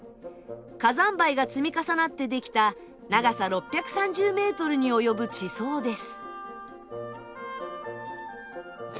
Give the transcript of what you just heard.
火山灰が積み重なって出来た長さ６３０メートルに及ぶ地層です。